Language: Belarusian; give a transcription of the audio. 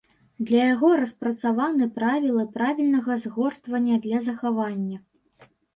Для яго распрацаваны правілы правільнага згортвання для захавання.